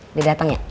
udah dateng ya